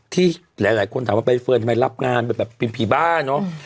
ที่หลายคนถามว่าใบเฟิร์นทำไมรับงานไปแบบเป็นผีบ้าเนอะ